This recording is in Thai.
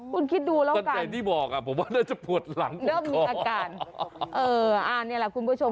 คุณคิดดูแล้วกันเริ่มมีอาการอ่านี่แหละคุณผู้ชม